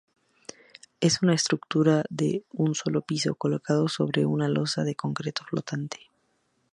Es una estructura de un solo piso, colocada sobre una losa de concreto flotante.